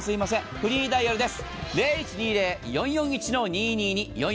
フリーダイヤルです。